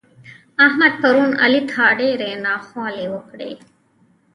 احمد پرون علي ته ډېرې ناخوالې وکړې.